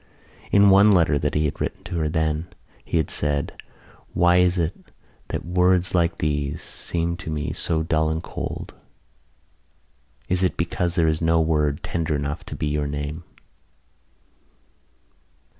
In one letter that he had written to her then he had said: "Why is it that words like these seem to me so dull and cold? Is it because there is no word tender enough to be your name?"